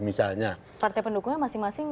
misalnya partai pendukungnya masing masing